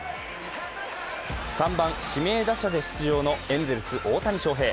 ３番・指名打者で出場のエンゼルス・大谷翔平。